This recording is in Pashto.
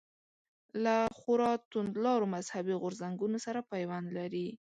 له خورا توندلارو مذهبي غورځنګونو سره پیوند لري.